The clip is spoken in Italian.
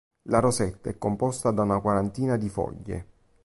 La rosetta è composta da una quarantina di foglie.